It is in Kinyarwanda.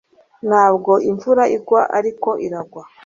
Ntabwo imvura igwa ariko iragwa